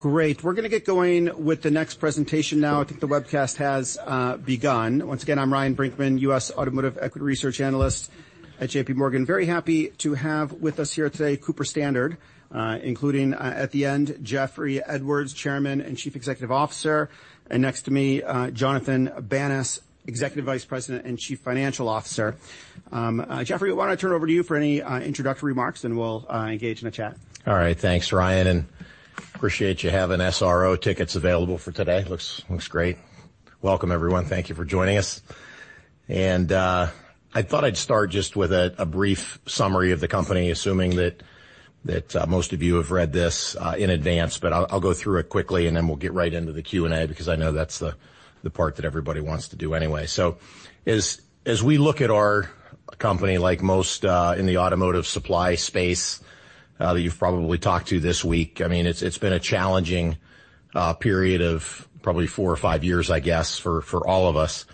...Great. We're gonna get going with the next presentation now. I think the webcast has begun. Once again, I'm Ryan Brinkman, U.S. Automotive Equity Research Analyst at J.P. Morgan. Very happy to have with us here today, Cooper Standard, including, at the end, Jeffrey Edwards, Chairman and Chief Executive Officer, and next to me, Jonathan Banas, Executive Vice President and Chief Financial Officer. Jeffrey, why don't I turn it over to you for any introductory remarks, and we'll engage in a chat. All right, thanks, Ryan, and appreciate you having SRO tickets available for today. Looks great. Welcome, everyone. Thank you for joining us. I thought I'd start just with a brief summary of the company, assuming that most of you have read this in advance, but I'll go through it quickly, and then we'll get right into the Q&A, because I know that's the part that everybody wants to do anyway. As we look at our company, like most in the automotive supply space that you've probably talked to this week, I mean, it's been a challenging period of probably 4 or 5 years, I guess, for all of us.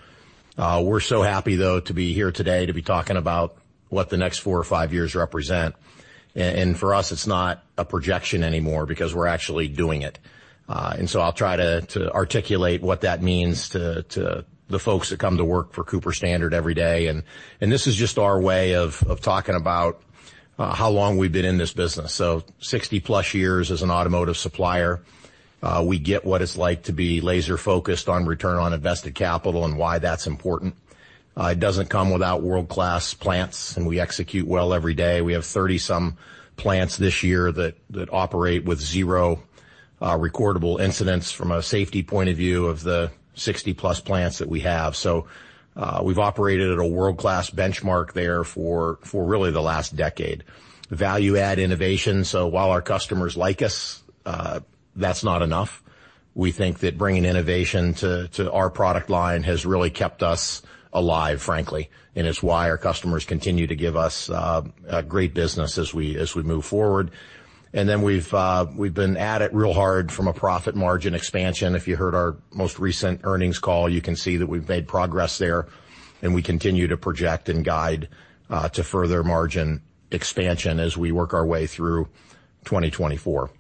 We're so happy, though, to be here today, to be talking about what the next 4 or 5 years represent. And for us, it's not a projection anymore because we're actually doing it. And so I'll try to articulate what that means to the folks that come to work for Cooper Standard every day. And this is just our way of talking about how long we've been in this business. So 60-plus years as an automotive supplier, we get what it's like to be laser-focused on return on invested capital and why that's important. It doesn't come without world-class plants, and we execute well every day. We have 30-some plants this year that operate with zero recordable incidents from a safety point of view of the 60-plus plants that we have. So we've operated at a world-class benchmark there for really the last decade. Value-add innovation, so while our customers like us, that's not enough. We think that bringing innovation to our product line has really kept us alive, frankly, and it's why our customers continue to give us a great business as we move forward. We've been at it real hard from a profit margin expansion. If you heard our most recent earnings call, you can see that we've made progress there, and we continue to project and guide to further margin expansion as we work our way through 2024.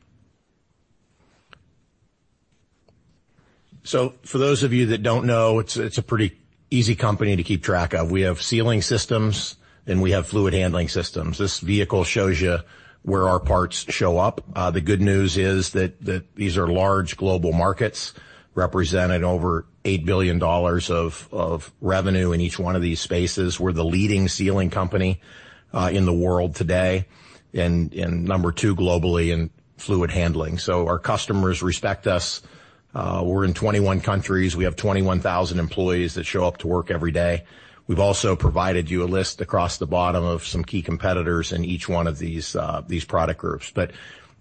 For those of you that don't know, it's a pretty easy company to keep track of. We have Sealing systems, and we have Fluid Handling systems. This vehicle shows you where our parts show up. The good news is that these are large global markets, represented over $8 billion of revenue in each one of these spaces. We're the leading Sealing company in the world today and number two globally in Fluid Handling. So our customers respect us. We're in 21 countries. We have 21,000 employees that show up to work every day. We've also provided you a list across the bottom of some key competitors in each one of these product groups. But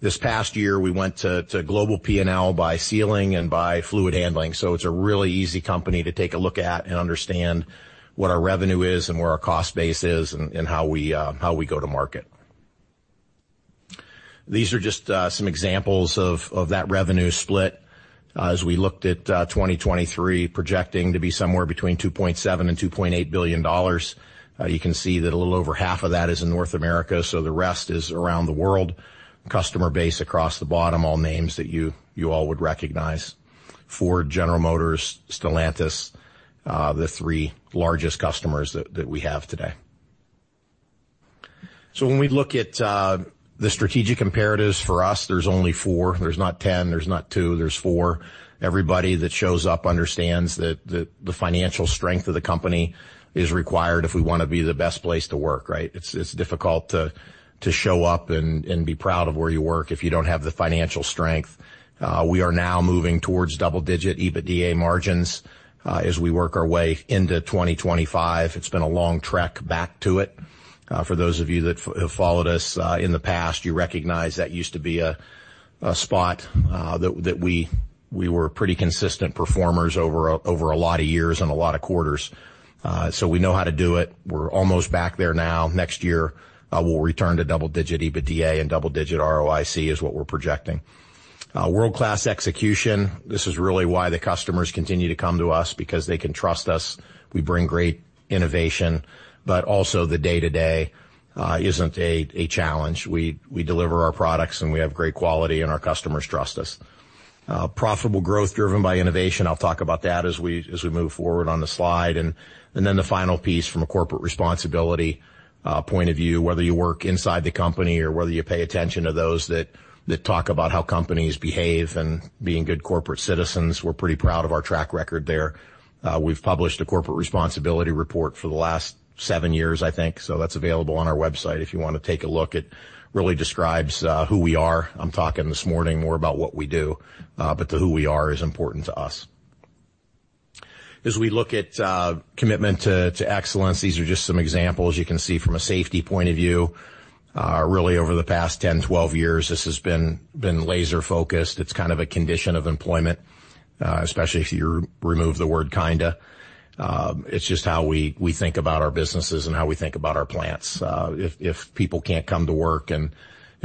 this past year, we went to global P&L by Sealing and by Fluid Handling. So it's a really easy company to take a look at and understand what our revenue is and where our cost base is and how we go to market. These are just some examples of that revenue split. As we looked at 2023, projecting to be somewhere between $2.7 billion and $2.8 billion. You can see that a little over half of that is in North America, so the rest is around the world. Customer base across the bottom, all names that you, you all would recognize. Ford, General Motors, Stellantis, the three largest customers that, that we have today. So when we look at, the strategic imperatives for us, there's only four, there's not 10, there's not 2, there's four. Everybody that shows up understands that the, the financial strength of the company is required if we wanna be the best place to work, right? It's, it's difficult to, to show up and, and be proud of where you work if you don't have the financial strength. We are now moving towards double-digit EBITDA margins, as we work our way into 2025. It's been a long trek back to it. For those of you that have followed us in the past, you recognize that used to be a spot that we were pretty consistent performers over a lot of years and a lot of quarters. So we know how to do it. We're almost back there now. Next year, we'll return to double-digit EBITDA and double-digit ROIC is what we're projecting. World-class execution. This is really why the customers continue to come to us, because they can trust us. We bring great innovation, but also the day-to-day isn't a challenge. We deliver our products, and we have great quality, and our customers trust us. Profitable growth driven by innovation, I'll talk about that as we move forward on the slide. Then the final piece from a corporate responsibility point of view, whether you work inside the company or whether you pay attention to those that talk about how companies behave and being good corporate citizens, we're pretty proud of our track record there. We've published a corporate responsibility report for the last seven years, I think. So that's available on our website if you wanna take a look. It really describes who we are. I'm talking this morning more about what we do, but the who we are is important to us. As we look at commitment to excellence, these are just some examples. You can see from a safety point of view, really over the past 10, 12 years, this has been laser focused. It's kind of a condition of employment, especially if you remove the word kinda. It's just how we think about our businesses and how we think about our plants. If people can't come to work and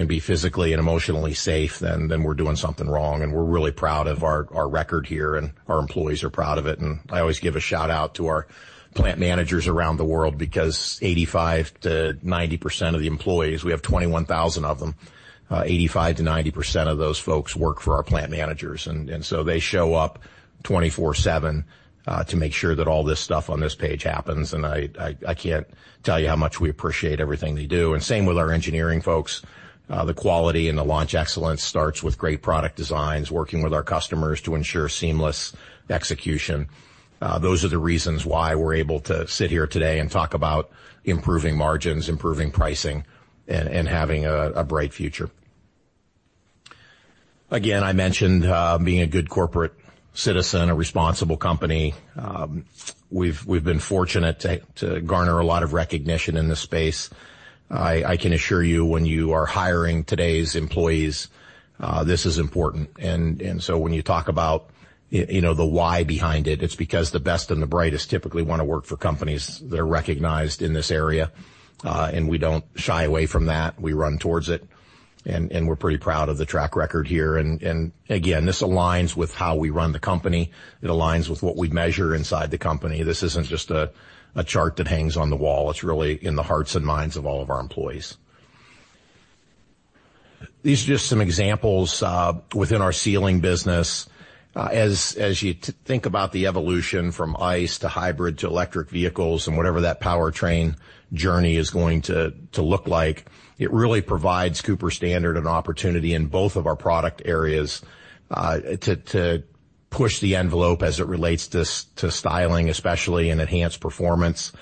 be physically and emotionally safe, then we're doing something wrong. And we're really proud of our record here, and our employees are proud of it. And I always give a shout-out to our plant managers around the world because 85%-90% of the employees, we have 21,000 of them, 85%-90% of those folks work for our plant managers. And so they show up 24/7 to make sure that all this stuff on this page happens, and I can't tell you how much we appreciate everything they do. And same with our engineering folks. The quality and the launch excellence starts with great product designs, working with our customers to ensure seamless execution. Those are the reasons why we're able to sit here today and talk about improving margins, improving pricing, and having a bright future. Again, I mentioned being a good corporate citizen, a responsible company. We've been fortunate to garner a lot of recognition in this space. I can assure you, when you are hiring today's employees, this is important. And so when you talk about, you know, the why behind it, it's because the best and the brightest typically wanna work for companies that are recognized in this area, and we don't shy away from that. We run towards it, and we're pretty proud of the track record here. Again, this aligns with how we run the company. It aligns with what we measure inside the company. This isn't just a chart that hangs on the wall. It's really in the hearts and minds of all of our employees. These are just some examples within our Sealing business. As you think about the evolution from ICE to hybrid to electric vehicles and whatever that powertrain journey is going to look like, it really provides Cooper Standard an opportunity in both of our product areas to push the envelope as it relates to styling especially, and enhanced performance,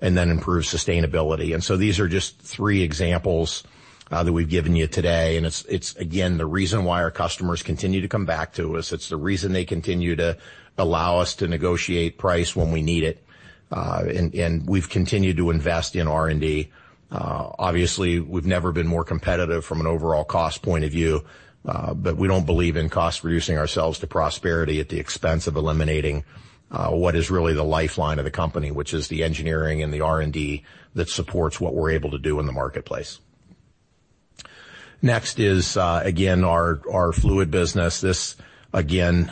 and then improve sustainability. These are just three examples that we've given you today, and it's again the reason why our customers continue to come back to us. It's the reason they continue to allow us to negotiate price when we need it. And we've continued to invest in R&D. Obviously, we've never been more competitive from an overall cost point of view, but we don't believe in cost reducing ourselves to prosperity at the expense of eliminating what is really the lifeline of the company, which is the engineering and the R&D that supports what we're able to do in the marketplace. Next is again our Fluid business. This again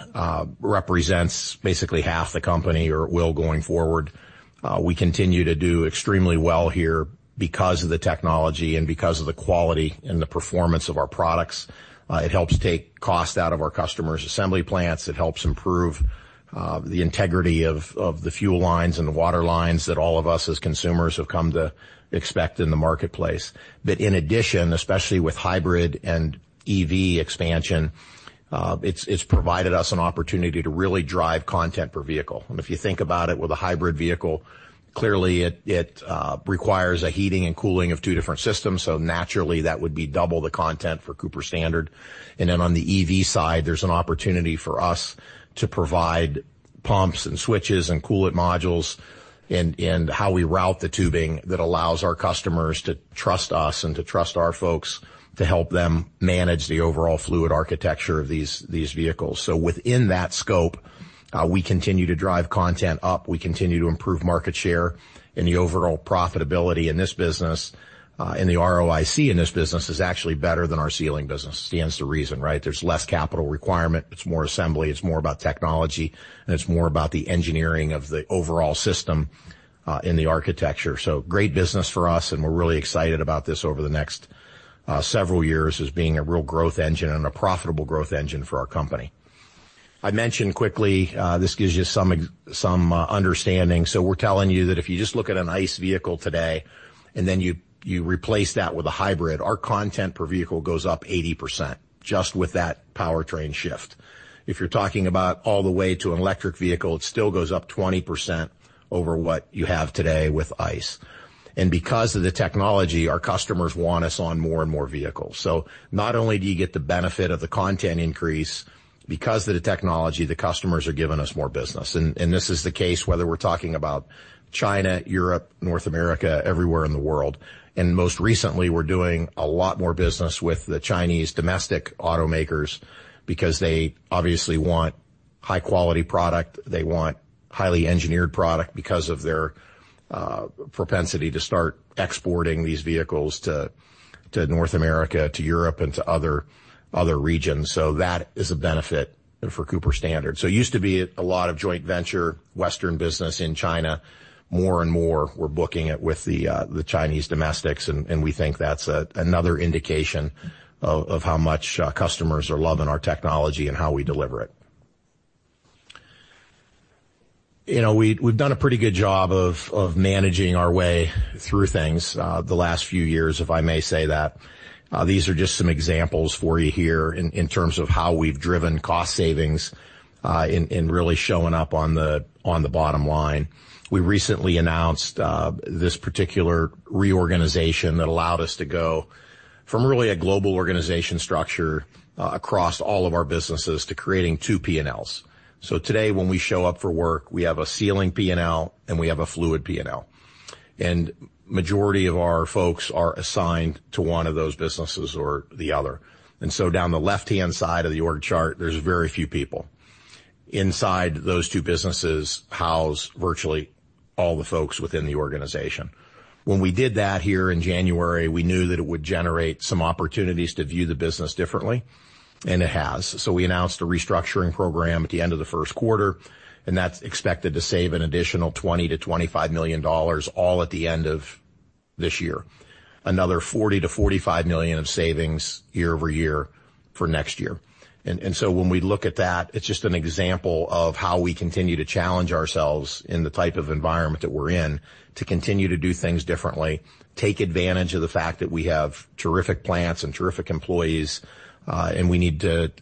represents basically half the company or will going forward. We continue to do extremely well here because of the technology and because of the quality and the performance of our products. It helps take cost out of our customers' assembly plants. It helps improve the integrity of the fuel lines and the water lines that all of us, as consumers, have come to expect in the marketplace. But in addition, especially with hybrid and EV expansion, it's provided us an opportunity to really drive content per vehicle. And if you think about it, with a hybrid vehicle, clearly it requires a heating and cooling of two different systems, so naturally, that would be double the content for Cooper Standard. And then on the EV side, there's an opportunity for us to provide pumps and switches and coolant modules, and how we route the tubing that allows our customers to trust us and to trust our folks to help them manage the overall fluid architecture of these vehicles. So within that scope, we continue to drive content up. We continue to improve market share and the overall profitability in this business. And the ROIC in this business is actually better than our Sealing business. Stands to reason, right? There's less capital requirement, it's more assembly, it's more about technology, and it's more about the engineering of the overall system, and the architecture. So great business for us, and we're really excited about this over the next several years as being a real growth engine and a profitable growth engine for our company. I mentioned quickly, this gives you some understanding. So we're telling you that if you just look at an ICE vehicle today, and then you replace that with a hybrid, our content per vehicle goes up 80%, just with that powertrain shift. If you're talking about all the way to an electric vehicle, it still goes up 20% over what you have today with ICE. And because of the technology, our customers want us on more and more vehicles. So not only do you get the benefit of the content increase, because of the technology, the customers are giving us more business. And, and this is the case whether we're talking about China, Europe, North America, everywhere in the world. And most recently, we're doing a lot more business with the Chinese domestic automakers because they obviously want high-quality product. They want highly engineered product because of their propensity to start exporting these vehicles to, to North America, to Europe, and to other, other regions. So that is a benefit for Cooper Standard. So it used to be a lot of joint venture, Western business in China. More and more, we're booking it with the Chinese domestics, and we think that's another indication of how much customers are loving our technology and how we deliver it. You know, we've done a pretty good job of managing our way through things, the last few years, if I may say that. These are just some examples for you here in terms of how we've driven cost savings, in really showing up on the bottom line. We recently announced this particular reorganization that allowed us to go from really a global organization structure across all of our businesses, to creating two P&Ls. So today, when we show up for work, we have a Sealing P&L, and we have a Fluid P&L. Majority of our folks are assigned to one of those businesses or the other. So down the left-hand side of the org chart, there's very few people. Inside those two businesses, house virtually all the folks within the organization. When we did that here in January, we knew that it would generate some opportunities to view the business differently, and it has. We announced a restructuring program at the end of the first quarter, and that's expected to save an additional $20-$25 million, all at the end of this year. Another $40-$45 million of savings year-over-year for next year. And so when we look at that, it's just an example of how we continue to challenge ourselves in the type of environment that we're in, to continue to do things differently, take advantage of the fact that we have terrific plants and terrific employees, and we need to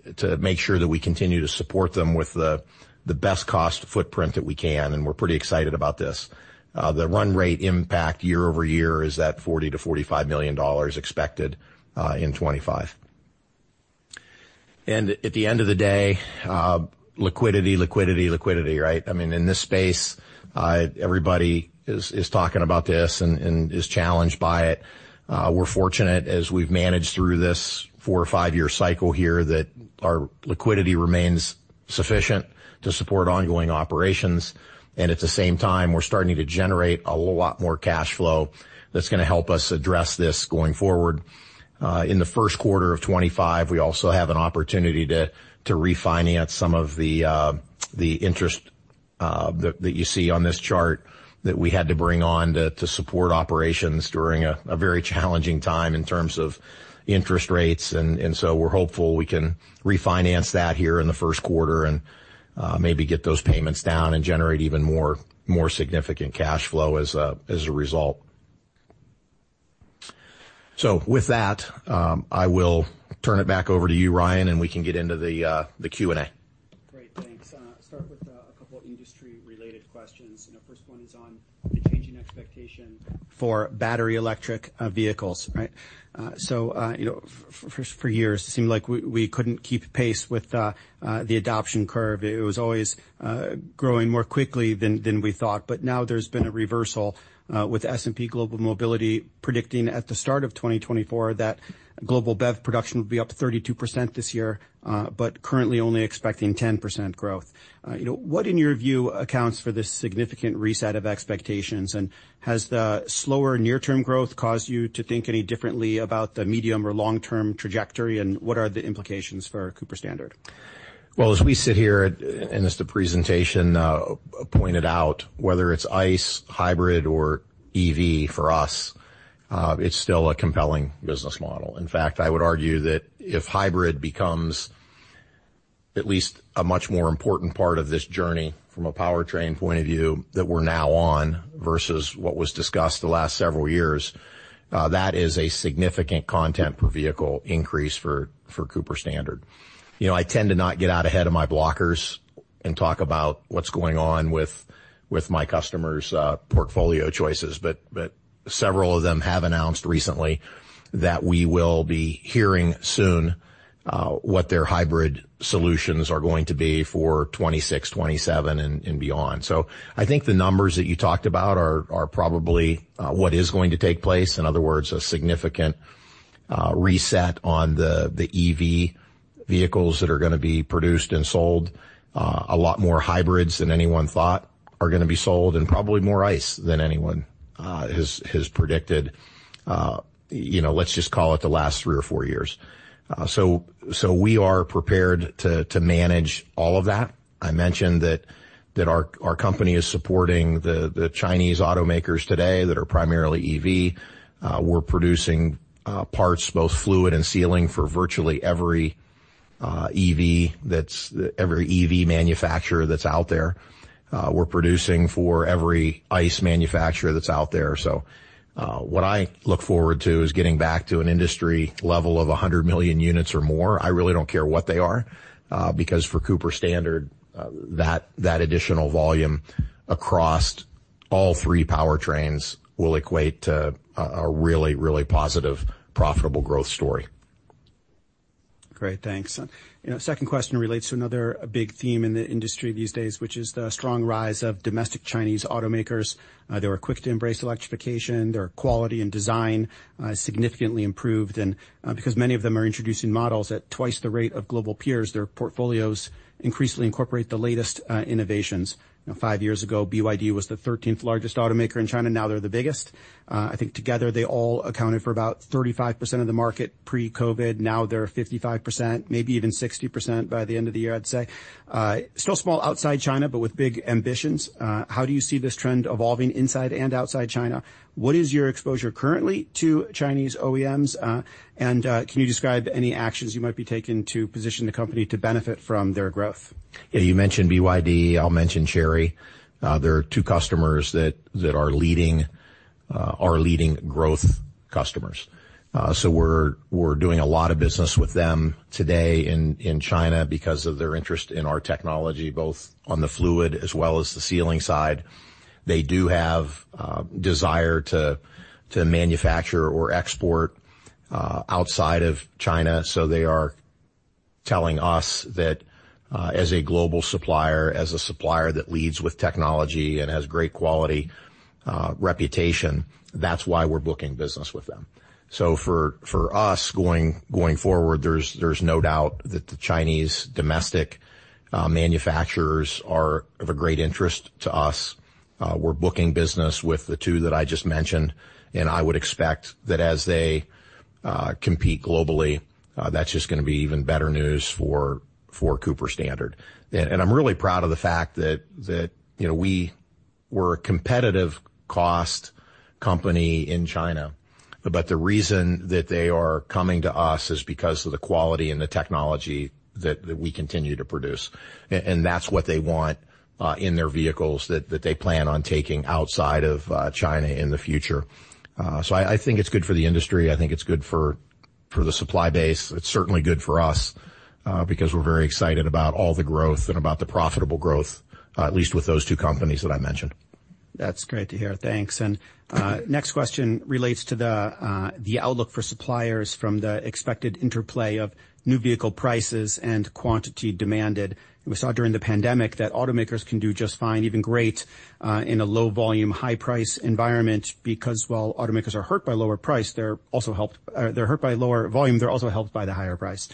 make sure that we continue to support them with the best cost footprint that we can, and we're pretty excited about this. The run rate impact year-over-year is $40-$45 million expected in 2025. At the end of the day, liquidity, liquidity, liquidity, right? I mean, in this space, everybody is talking about this and is challenged by it. We're fortunate, as we've managed through this four- or five-year cycle here, that our liquidity remains sufficient to support ongoing operations. And at the same time, we're starting to generate a lot more cash flow that's gonna help us address this going forward. In the first quarter of 2025, we also have an opportunity to refinance some of the interest that you see on this chart, that we had to bring on to support operations during a very challenging time in terms of interest rates. And so we're hopeful we can refinance that here in the first quarter and maybe get those payments down and generate even more significant cash flow as a result. So with that, I will turn it back over to you, Ryan, and we can get into the Q&A. Great, thanks. Start with a couple of industry-related questions. And the first one is on the changing expectation for battery electric vehicles, right? So, you know, for years, it seemed like we couldn't keep pace with the adoption curve. It was always growing more quickly than we thought. But now there's been a reversal with S&P Global Mobility predicting at the start of 2024, that global BEV production would be up 32% this year, but currently only expecting 10% growth. You know, what, in your view, accounts for this significant reset of expectations? And has the slower near-term growth caused you to think any differently about the medium or long-term trajectory, and what are the implications for Cooper Standard? Well, as we sit here, and as the presentation pointed out, whether it's ICE, hybrid or EV, for us, it's still a compelling business model. In fact, I would argue that if hybrid becomes at least a much more important part of this journey from a powertrain point of view that we're now on, versus what was discussed the last several years, that is a significant content per vehicle increase for, for Cooper Standard. You know, I tend to not get out ahead of my blockers and talk about what's going on with, with my customers', portfolio choices, but, but several of them have announced recently that we will be hearing soon, what their hybrid solutions are going to be for 2026, 2027 and, and beyond. So I think the numbers that you talked about are, are probably, what is going to take place. In other words, a significant reset on the EV vehicles that are gonna be produced and sold. A lot more hybrids than anyone thought are gonna be sold, and probably more ICE than anyone has predicted, you know, let's just call it the last three or four years. So we are prepared to manage all of that. I mentioned that our company is supporting the Chinese automakers today that are primarily EV. We're producing parts, both fluid and sealing, for virtually every EV manufacturer that's out there. We're producing for every ICE manufacturer that's out there. So what I look forward to is getting back to an industry level of 100 million units or more. I really don't care what they are, because for Cooper Standard, that additional volume across all three powertrains will equate to a really, really positive, profitable growth story. Great, thanks. You know, second question relates to another big theme in the industry these days, which is the strong rise of domestic Chinese automakers. They were quick to embrace electrification, their quality and design significantly improved. Because many of them are introducing models at twice the rate of global peers, their portfolios increasingly incorporate the latest innovations. You know, 5 years ago, BYD was the 13th largest automaker in China, now they're the biggest. I think together, they all accounted for about 35% of the market pre-COVID. Now they're 55%, maybe even 60% by the end of the year, I'd say. Still small outside China, but with big ambitions. How do you see this trend evolving inside and outside China? What is your exposure currently to Chinese OEMs? Can you describe any actions you might be taking to position the company to benefit from their growth? Yeah, you mentioned BYD, I'll mention Chery. There are two customers that are leading growth customers. So we're doing a lot of business with them today in China because of their interest in our technology, both on the fluid as well as the sealing side. They do have desire to manufacture or export outside of China, so they are telling us that, as a global supplier, as a supplier that leads with technology and has great quality reputation, that's why we're booking business with them. So for us, going forward, there's no doubt that the Chinese domestic manufacturers are of a great interest to us. We're booking business with the two that I just mentioned, and I would expect that as they compete globally, that's just gonna be even better news for Cooper Standard. And I'm really proud of the fact that, you know, we were a competitive cost company in China, but the reason that they are coming to us is because of the quality and the technology that we continue to produce. And that's what they want in their vehicles that they plan on taking outside of China in the future. So I think it's good for the industry. I think it's good for the supply base. It's certainly good for us because we're very excited about all the growth and about the profitable growth, at least with those two companies that I mentioned. That's great to hear. Thanks. Next question relates to the outlook for suppliers from the expected interplay of new vehicle prices and quantity demanded. We saw during the pandemic that automakers can do just fine, even great, in a low volume, high price environment, because while automakers are hurt by lower price, they're also helped, they're hurt by lower volume, they're also helped by the higher price.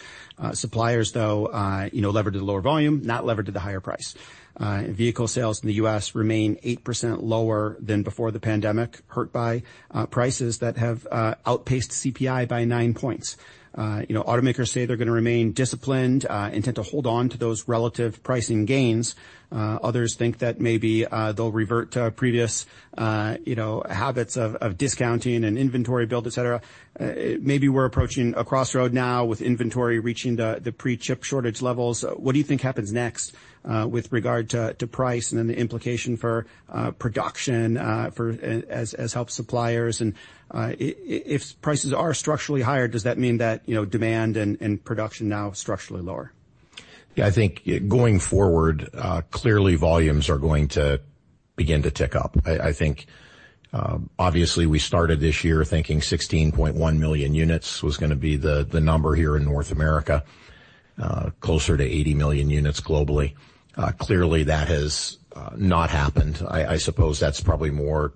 Suppliers, though, you know, levered to the lower volume, not levered to the higher price. Vehicle sales in the U.S. remain 8% lower than before the pandemic, hurt by prices that have outpaced CPI by 9 points. You know, automakers say they're gonna remain disciplined, intent to hold on to those relative pricing gains. Others think that maybe they'll revert to previous, you know, habits of discounting and inventory build, et cetera. Maybe we're approaching a crossroad now with inventory reaching the pre-chip shortage levels. What do you think happens next with regard to price and then the implication for production for as help suppliers? And if prices are structurally higher, does that mean that, you know, demand and production now structurally lower? Yeah, I think going forward, clearly, volumes are going to begin to tick up. I think, obviously, we started this year thinking 16.1 million units was gonna be the number here in North America, closer to 80 million units globally. Clearly, that has not happened. I suppose that's probably more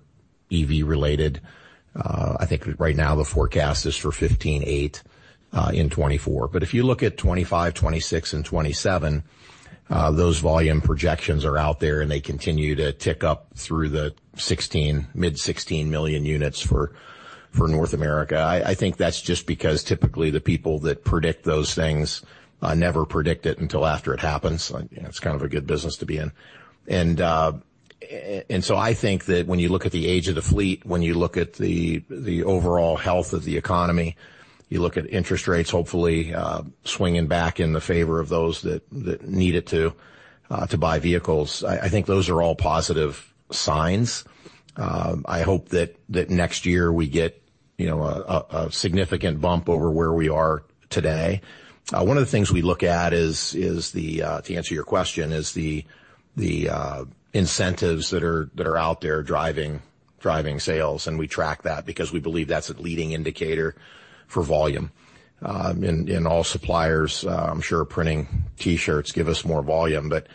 EV related. I think right now the forecast is for 15.8 in 2024. But if you look at 2025, 2026, and 2027, those volume projections are out there, and they continue to tick up through the 16, mid-16 million units for North America. I think that's just because typically, the people that predict those things never predict it until after it happens. You know, it's kind of a good business to be in. So I think that when you look at the age of the fleet, when you look at the overall health of the economy, you look at interest rates, hopefully swinging back in the favor of those that need it to buy vehicles. I think those are all positive signs. I hope that next year we get, you know, a significant bump over where we are today. One of the things we look at is, to answer your question, the incentives that are out there driving sales, and we track that because we believe that's a leading indicator for volume. And all suppliers, I'm sure printing T-shirts give us more volume, but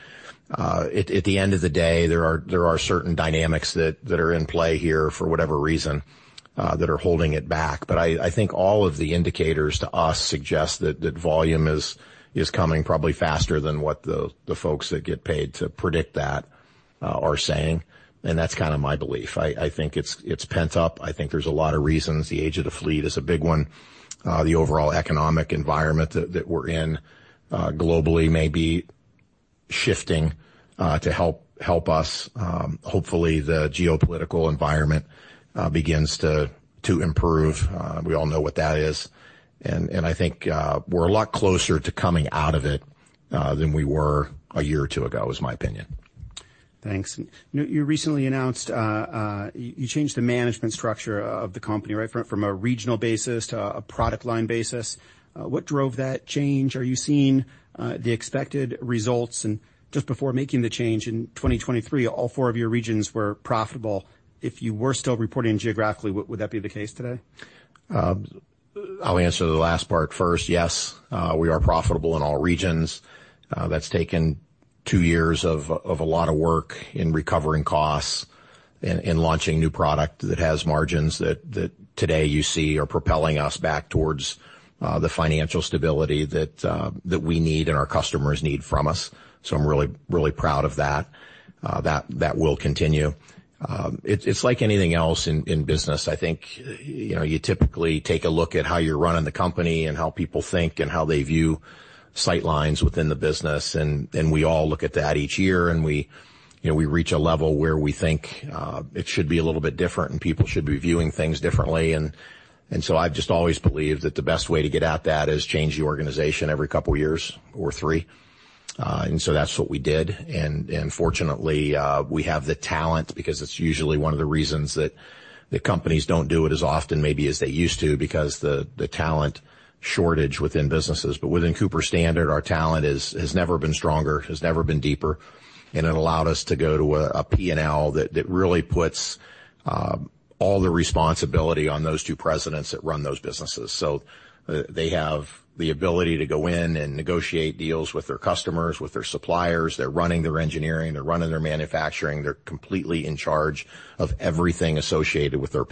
at the end of the day, there are certain dynamics that are in play here for whatever reason that are holding it back. But I think all of the indicators to us suggest that volume is coming probably faster than what the folks that get paid to predict that are saying, and that's kinda my belief. I think it's pent up. I think there's a lot of reasons. The age of the fleet is a big one. The overall economic environment that we're in globally may be shifting to help us. Hopefully, the geopolitical environment begins to improve. We all know what that is, and I think we're a lot closer to coming out of it than we were a year or two ago, was my opinion. Thanks. You recently announced you changed the management structure of the company, right? From a regional basis to a product line basis. What drove that change? Are you seeing the expected results? And just before making the change in 2023, all four of your regions were profitable. If you were still reporting geographically, would that be the case today? I'll answer the last part first. Yes, we are profitable in all regions. That's taken two years of a lot of work in recovering costs, in launching new product that has margins that today you see are propelling us back towards the financial stability that we need and our customers need from us. So I'm really, really proud of that. That will continue. It's like anything else in business, I think, you know, you typically take a look at how you're running the company and how people think and how they view sight lines within the business, and we all look at that each year, and we, you know, we reach a level where we think it should be a little bit different and people should be viewing things differently. So I've just always believed that the best way to get at that is change the organization every couple of years or three. So that's what we did. Fortunately, we have the talent, because it's usually one of the reasons that the companies don't do it as often, maybe as they used to, because the talent shortage within businesses. But within Cooper Standard, our talent has never been stronger, has never been deeper, and it allowed us to go to a P&L that really puts all the responsibility on those two presidents that run those businesses. So they have the ability to go in and negotiate deals with their customers, with their suppliers. They're running their engineering, they're running their manufacturing. They're completely in charge of everything associated with their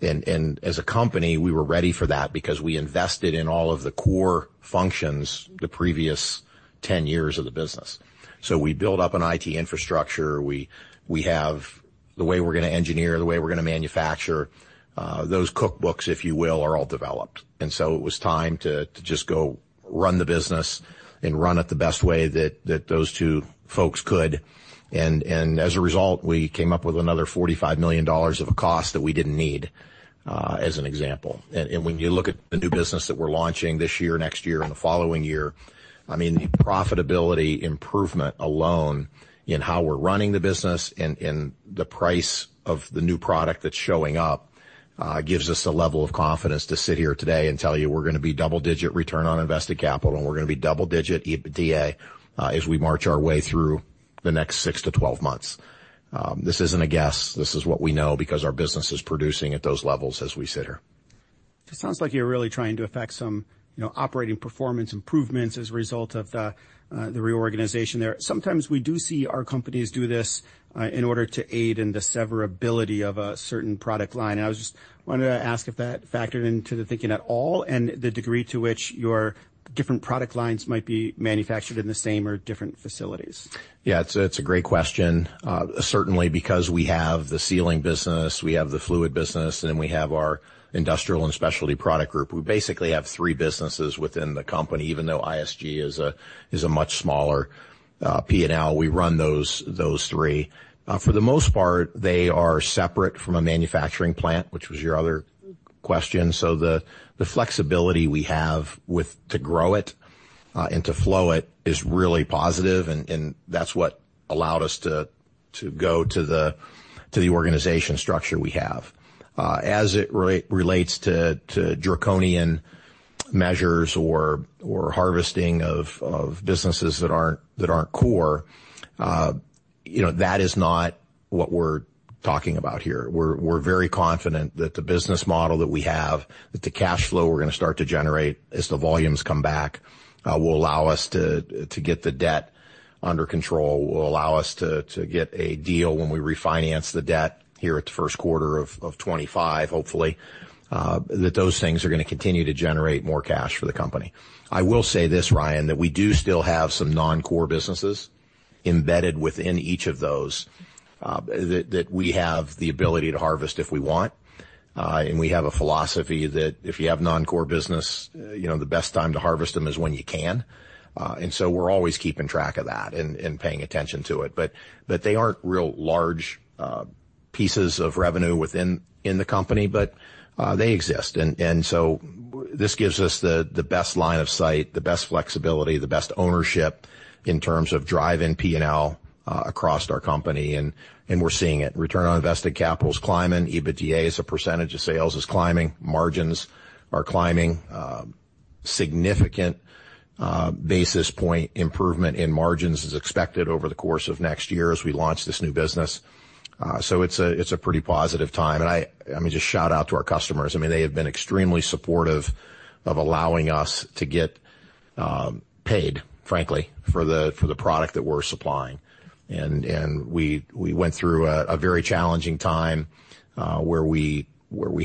P&L. As a company, we were ready for that because we invested in all of the core functions the previous 10 years of the business. So we built up an IT infrastructure. We have the way we're gonna engineer, the way we're gonna manufacture, those cookbooks, if you will, are all developed. So it was time to just go run the business and run it the best way that those two folks could. As a result, we came up with another $45 million of a cost that we didn't need, as an example. When you look at the new business that we're launching this year, next year, and the following year, I mean, the profitability improvement alone in how we're running the business and the price of the new product that's showing up gives us a level of confidence to sit here today and tell you we're gonna be double-digit return on invested capital, and we're gonna be double-digit EBITDA as we march our way through the next 6 to 12 months. This isn't a guess. This is what we know because our business is producing at those levels as we sit here. It sounds like you're really trying to affect some, you know, operating performance improvements as a result of the reorganization there. Sometimes we do see our companies do this in order to aid in the severability of a certain product line. I just wanted to ask if that factored into the thinking at all, and the degree to which your different product lines might be manufactured in the same or different facilities. Yeah, it's a great question. Certainly, because we have the sealing business, we have the fluid business, and we have our Industrial and Specialty Product Group. We basically have three businesses within the company, even though ISG is a much smaller P&L, we run those three. For the most part, they are separate from a manufacturing plant, which was your other question. So the flexibility we have with to grow it and to flow it is really positive, and that's what allowed us to go to the organization structure we have. As it relates to draconian measures or harvesting of businesses that aren't core, you know, that is not what we're talking about here. We're very confident that the business model that we have, that the cash flow we're gonna start to generate as the volumes come back, will allow us to get the debt under control, will allow us to get a deal when we refinance the debt here at the first quarter of 2025, hopefully. That those things are gonna continue to generate more cash for the company. I will say this, Ryan, that we do still have some non-core businesses embedded within each of those, that we have the ability to harvest if we want. And we have a philosophy that if you have non-core business, you know, the best time to harvest them is when you can. And so we're always keeping track of that and paying attention to it. But they aren't real large pieces of revenue within the company, but they exist. And so this gives us the best line of sight, the best flexibility, the best ownership in terms of driving P&L across our company, and we're seeing it. Return on invested capital is climbing. EBITDA as a percentage of sales is climbing. Margins are climbing. Significant basis point improvement in margins is expected over the course of next year as we launch this new business. So it's a pretty positive time, and I let me just shout out to our customers. I mean, they have been extremely supportive of allowing us to get paid, frankly, for the product that we're supplying. And we went through a very challenging time, where we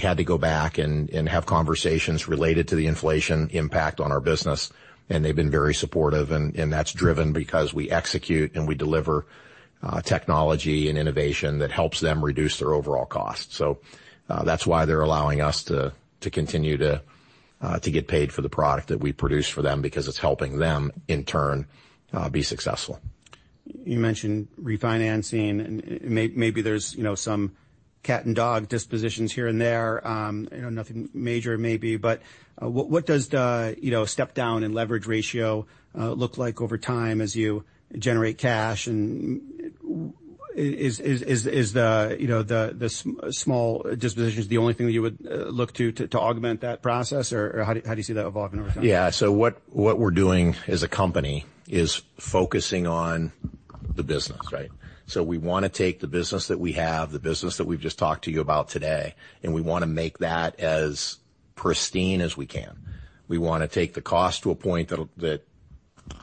had to go back and have conversations related to the inflation impact on our business, and they've been very supportive, and that's driven because we execute, and we deliver technology and innovation that helps them reduce their overall costs. So, that's why they're allowing us to continue to get paid for the product that we produce for them because it's helping them, in turn, be successful. You mentioned refinancing, and maybe there's, you know, some cat and dog dispositions here and there, you know, nothing major, maybe, but what does the, you know, step down in leverage ratio look like over time as you generate cash? And is the small disposition the only thing that you would look to augment that process, or how do you see that evolving over time? Yeah. So what we're doing as a company is focusing on the business, right? So we wanna take the business that we have, the business that we've just talked to you about today, and we wanna make that as pristine as we can. We wanna take the cost to a point that'll-that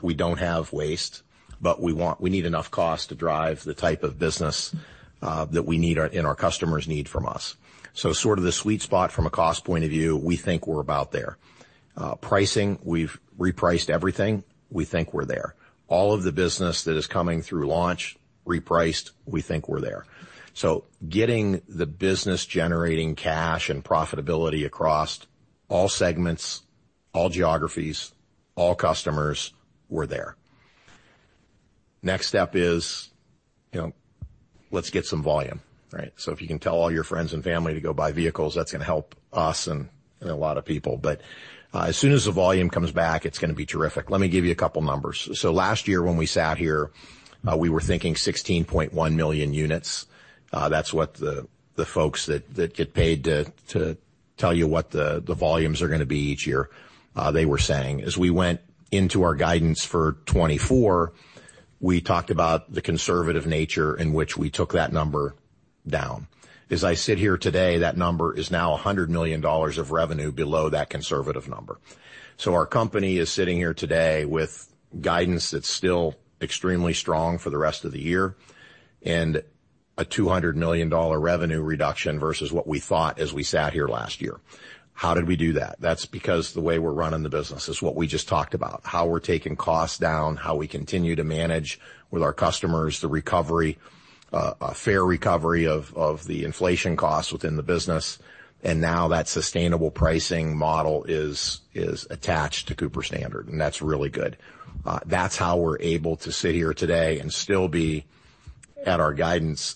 we don't have waste, but we want-we need enough cost to drive the type of business that we need our... and our customers need from us. So sort of the sweet spot from a cost point of view, we think we're about there. Pricing, we've repriced everything. We think we're there. All of the business that is coming through launch, repriced, we think we're there. So getting the business, generating cash and profitability across all segments, all geographies, all customers, we're there. Next step is, you know, let's get some volume, right? So if you can tell all your friends and family to go buy vehicles, that's gonna help us and a lot of people. But as soon as the volume comes back, it's gonna be terrific. Let me give you a couple numbers. So last year, when we sat here, we were thinking 16.1 million units. That's what the folks that get paid to tell you what the volumes are going to be each year, they were saying. As we went into our guidance for 2024, we talked about the conservative nature in which we took that number down. As I sit here today, that number is now $100 million of revenue below that conservative number. So our company is sitting here today with guidance that's still extremely strong for the rest of the year and a $200 million revenue reduction versus what we thought as we sat here last year. How did we do that? That's because the way we're running the business is what we just talked about, how we're taking costs down, how we continue to manage with our customers, the recovery, a fair recovery of the inflation costs within the business. And now that sustainable pricing model is attached to Cooper Standard, and that's really good. That's how we're able to sit here today and still be at our guidance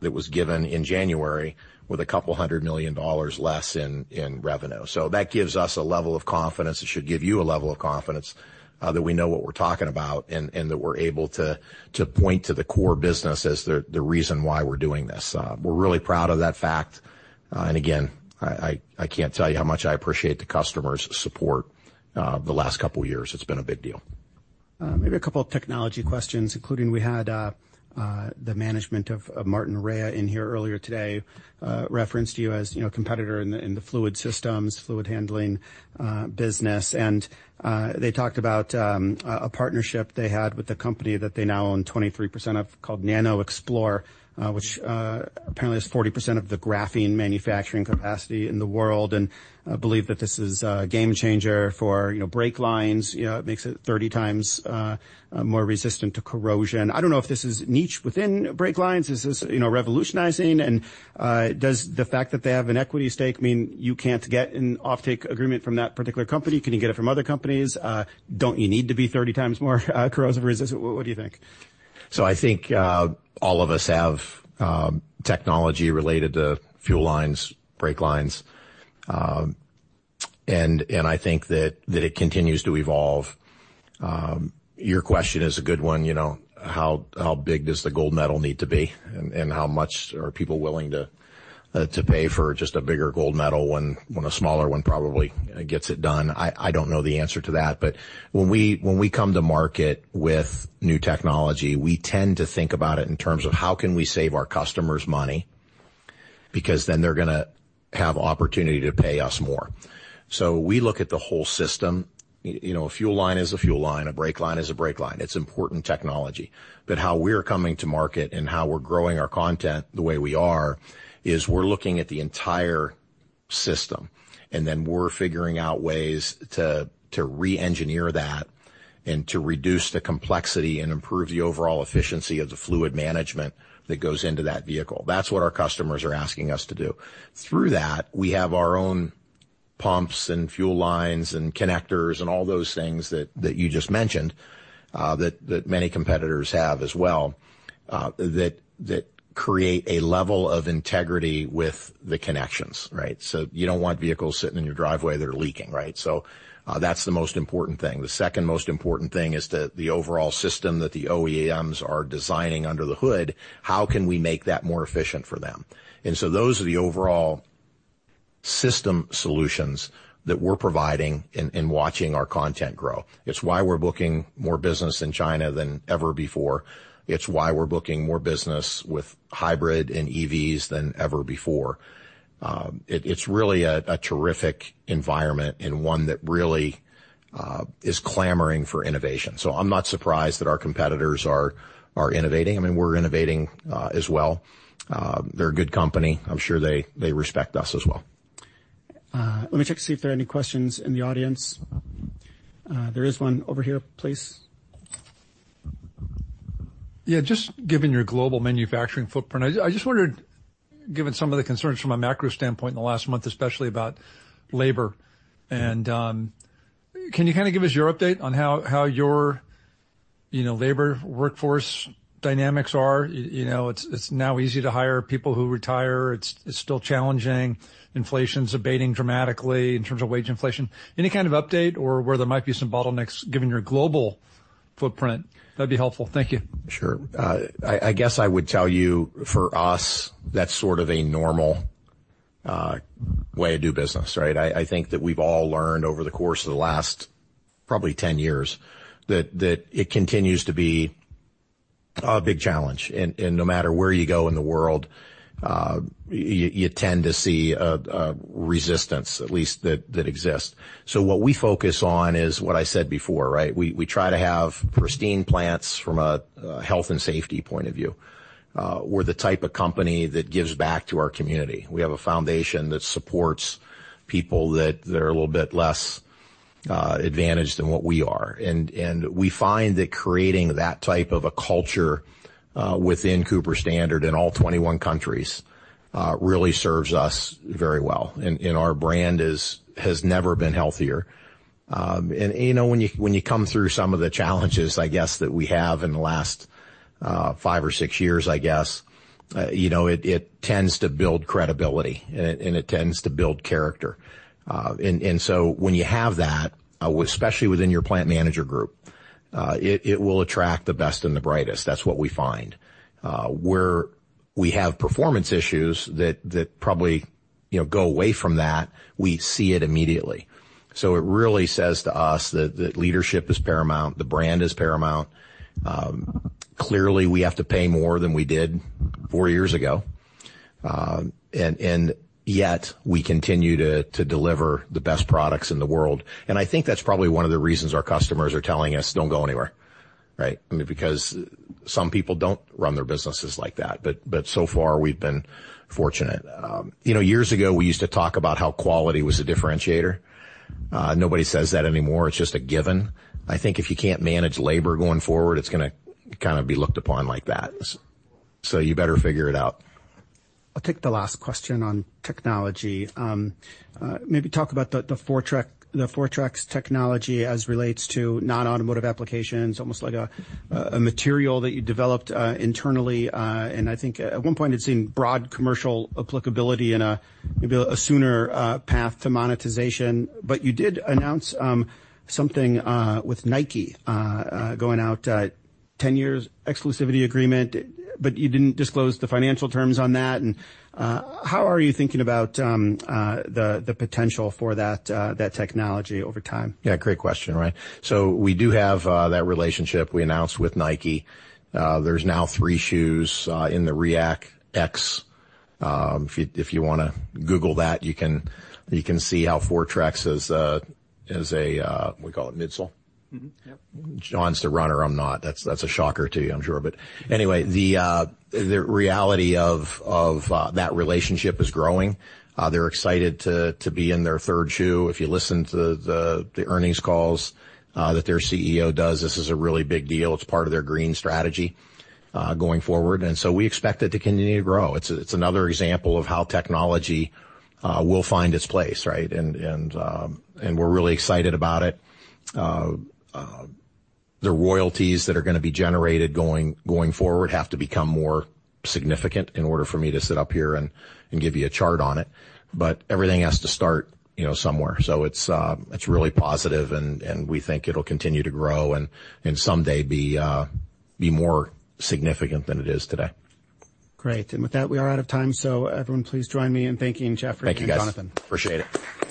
that was given in January with a couple of hundred million dollars less in revenue. So that gives us a level of confidence. It should give you a level of confidence that we know what we're talking about and that we're able to point to the core business as the reason why we're doing this. We're really proud of that fact. And again, I can't tell you how much I appreciate the customers' support the last couple of years. It's been a big deal. Maybe a couple of technology questions, including we had the management of Martinrea in here earlier today referenced you as, you know, competitor in the fluid systems, fluid handling business. They talked about a partnership they had with the company that they now own 23% of, called NanoXplore, which apparently has 40% of the graphene manufacturing capacity in the world, and believe that this is a game changer for, you know, brake lines. You know, it makes it 30 times more resistant to corrosion. I don't know if this is niche within brake lines. Is this, you know, revolutionizing? Does the fact that they have an equity stake mean you can't get an offtake agreement from that particular company? Can you get it from other companies? Don't you need to be 30 times more corrosive resistant? What do you think? So I think all of us have technology related to fuel lines, brake lines, and I think that it continues to evolve. Your question is a good one, you know, how big does the gold medal need to be? And how much are people willing to pay for just a bigger gold medal when a smaller one probably gets it done? I don't know the answer to that, but when we come to market with new technology, we tend to think about it in terms of how can we save our customers money, because then they're gonna have opportunity to pay us more. So we look at the whole system. You know, a fuel line is a fuel line, a brake line is a brake line. It's important technology. But how we're coming to market and how we're growing our content the way we are, is we're looking at the entire system, and then we're figuring out ways to reengineer that and to reduce the complexity and improve the overall efficiency of the fluid management that goes into that vehicle. That's what our customers are asking us to do. Through that, we have our own pumps and fuel lines and connectors and all those things that you just mentioned, that many competitors have as well, that create a level of integrity with the connections, right? So you don't want vehicles sitting in your driveway that are leaking, right? So, that's the most important thing. The second most important thing is that the overall system that the OEMs are designing under the hood, how can we make that more efficient for them? And so those are the overall system solutions that we're providing in watching our content grow. It's why we're booking more business in China than ever before. It's why we're booking more business with hybrid and EVs than ever before. It's really a terrific environment and one that really is clamoring for innovation. So I'm not surprised that our competitors are innovating. I mean, we're innovating as well. They're a good company. I'm sure they respect us as well. Let me check to see if there are any questions in the audience. There is one over here, please. Yeah, just given your global manufacturing footprint, I just, I just wondered, given some of the concerns from a macro standpoint in the last month, especially about labor, and, can you kind of give us your update on how, how your, you know, labor workforce dynamics are? You know, it's, it's now easy to hire people who retire. It's, it's still challenging. Inflation's abating dramatically in terms of wage inflation. Any kind of update or where there might be some bottlenecks given your global footprint? That'd be helpful. Thank you. Sure. I guess I would tell you, for us, that's sort of a normal way to do business, right? I think that we've all learned over the course of the last probably 10 years, that it continues to be a big challenge. And no matter where you go in the world, you tend to see a resistance, at least, that exists. So what we focus on is what I said before, right? We try to have pristine plants from a health and safety point of view. We're the type of company that gives back to our community. We have a foundation that supports people that are a little bit less advantaged than what we are. And we find that creating that type of a culture within Cooper Standard in all 21 countries really serves us very well. And our brand has never been healthier. And, you know, when you come through some of the challenges, I guess, that we have in the last 5 or 6 years, I guess, you know, it tends to build credibility, and it tends to build character. And so when you have that, especially within your plant manager group, it will attract the best and the brightest. That's what we find. We have performance issues that probably, you know, go away from that, we see it immediately. So it really says to us that leadership is paramount, the brand is paramount. Clearly, we have to pay more than we did four years ago, and yet we continue to deliver the best products in the world. And I think that's probably one of the reasons our customers are telling us, "Don't go anywhere," right? I mean, because some people don't run their businesses like that, but so far, we've been fortunate. You know, years ago, we used to talk about how quality was a differentiator. Nobody says that anymore. It's just a given. I think if you can't manage labor going forward, it's gonna kind of be looked upon like that. So you better figure it out. I'll take the last question on technology. Maybe talk about the Fortrex technology as relates to non-automotive applications, almost like a material that you developed internally, and I think at one point, it seemed broad commercial applicability and a maybe a sooner path to monetization. But you did announce something with Nike going out 10 years exclusivity agreement, but you didn't disclose the financial terms on that. And how are you thinking about the potential for that technology over time? Yeah, great question, Ryan. So we do have that relationship we announced with Nike. There's now three shoes in the ReactX. If you wanna Google that, you can see how Fortrex is a, we call it midsole? Mm-hmm. Yep. John's the runner. I'm not. That's a shocker to you, I'm sure. But anyway, the reality of that relationship is growing. They're excited to be in their third shoe. If you listen to the earnings calls that their CEO does, this is a really big deal. It's part of their green strategy going forward, and so we expect it to continue to grow. It's another example of how technology will find its place, right? And we're really excited about it. The royalties that are gonna be generated going forward have to become more significant in order for me to sit up here and give you a chart on it. But everything has to start, you know, somewhere. So it's really positive, and we think it'll continue to grow and someday be more significant than it is today. Great. And with that, we are out of time, so everyone, please join me in thanking Jeffrey and Jonathan. Thank you, guys. Appreciate it.